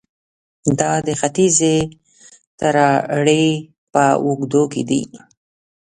دا د ختیځې تراړې په اوږدو کې دي